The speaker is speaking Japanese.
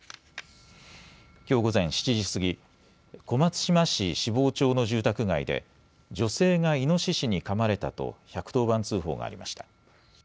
きょう午前７時過ぎ、小松島市芝生町の住宅街で女性がイノシシにかまれたと１１０番通報がありました。